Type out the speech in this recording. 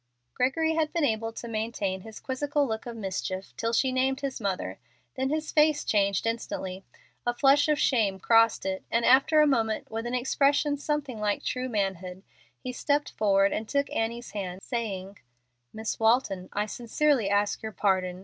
Gregory had been able to maintain his quizzical look of mischief till she named his mother; then his face changed instantly. A flush of shame crossed it, and after a moment, with an expression something like true manhood, he stepped forward and took Annie's hand, saying, "Miss Walton, I sincerely ask your pardon.